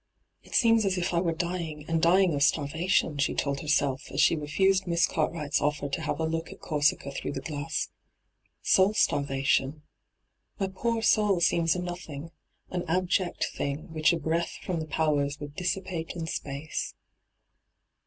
' It seems as if I were dying, and dying of starvation,' she told herself, as she refused Miss Cartwright's offer to have a look at Corsica through the glass — 'soul starvation. 15—2 n,aN, .^hyG00^lc 228 ENTRAPPED My poor houI seems a nothing — an abject thing whioh a breath from the powers would dissipate in space.'